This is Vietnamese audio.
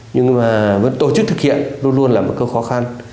nhưng mà tổ chức thực hiện luôn luôn là một cái khó khăn